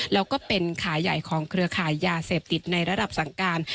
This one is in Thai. แล้วก็เป็นขายใหญ่ของเครือขายยาเสพติดในระดับสั่งการ